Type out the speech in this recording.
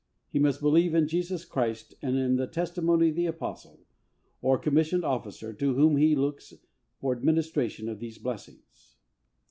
He must believe in Jesus Christ, and in the testimony of the Apostle, or commissioned officer, to whom he looks for the administration of these blessings.